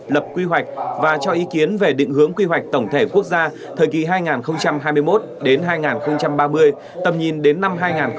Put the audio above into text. lập quy hoạch và cho ý kiến về định hướng quy hoạch tổng thể quốc gia thời kỳ hai nghìn hai mươi một đến hai nghìn ba mươi tầm nhìn đến năm hai nghìn năm mươi